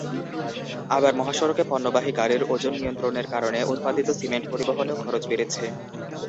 আবার মহাসড়কে পণ্যবাহী গাড়ির ওজন নিয়ন্ত্রণের কারণে উৎপাদিত সিমেন্ট পরিবহনেও খরচ বেড়েছে।